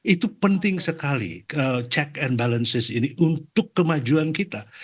itu penting sekali check and balances ini untuk kemajuan kita